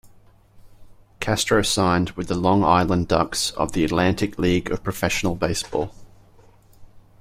Castro signed with the Long Island Ducks of the Atlantic League of Professional Baseball.